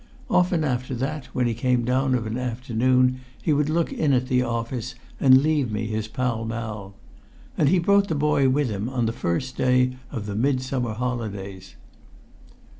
Often after that, when he came down of an afternoon, he would look in at the office and leave me his Pall Mall. And he brought the boy in with him on the first day of the midsummer holidays.